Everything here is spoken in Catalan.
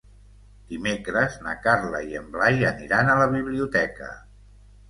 Dimecres na Carla i en Blai aniran a la biblioteca.